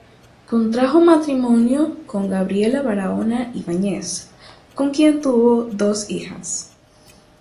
Contrajo matrimonio con Gabriela Barahona Ibáñez, con quien tuvo dos hijas.